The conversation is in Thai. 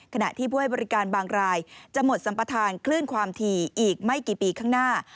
ขณะที่ผู้ให้บริการบางรายจะหมดสัมปทานคลื่นความถี่อีกไม่กี่ปีข้างหน้า